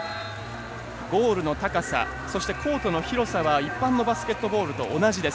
ゴールの高さコートの広さは一般のバスケットと同じです。